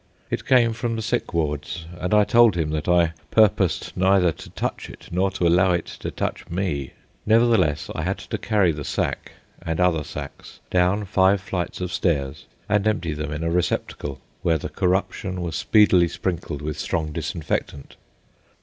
It came from the sick wards, and I told him that I purposed neither to touch it, nor to allow it to touch me. Nevertheless, I had to carry the sack, and other sacks, down five flights of stairs and empty them in a receptacle where the corruption was speedily sprinkled with strong disinfectant.